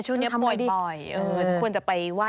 ช่วงนี้ป่วยควรจะไปไหว้พระออกด้วย